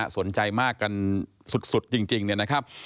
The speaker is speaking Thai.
สนใจมากกันสุดจริงนะครับ